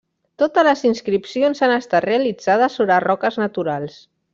Totes les inscripcions han estat realitzades sobre roques naturals.